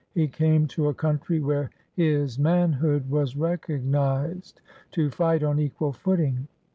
He came to a country where his manhood was recognised, to fight on equal footing.